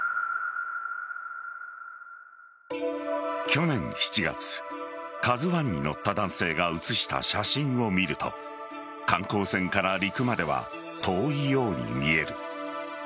去年７月「ＫＡＺＵ１」に乗った男性が写した写真を見ると観光船から陸までは遠いように見える。